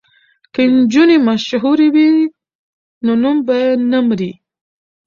که نجونې مشهورې وي نو نوم به نه مري.